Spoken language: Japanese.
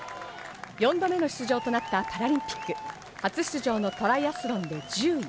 ４度目の出場となったパラリンピック、初出場のトライアスロンで１０位。